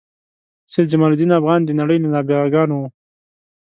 سید جمال الدین افغان د نړۍ له نابغه ګانو و.